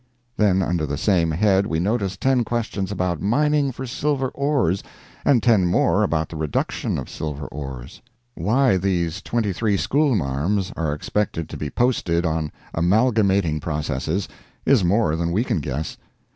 Then under the same head we noticed ten questions about mining for silver ores and ten more about the reduction of silver ores. Why these twenty three "school marms" are expected to be posted on amalgamating processes, is more than we can guess.